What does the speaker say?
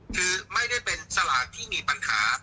คือไม่ได้เป็นสลากที่มีปัญหา